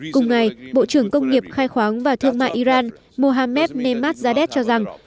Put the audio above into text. cùng ngày bộ trưởng công nghiệp khai khoáng và thương mại iran mohammad nehmaszadeh cho rằng